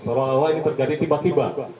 seolah olah ini terjadi tiba tiba